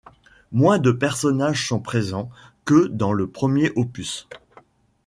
Moins de personnages sont présents que dans le premier opus.